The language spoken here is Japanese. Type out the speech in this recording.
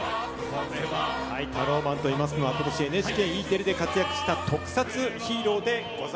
タローマンは今年、ＮＨＫＥテレで活躍した特撮ヒーロー。